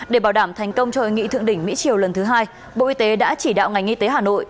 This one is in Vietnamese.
để bảo đảm thành công cho hội nghị thượng đỉnh mỹ triều lần thứ hai bộ y tế đã chỉ đạo ngành y tế hà nội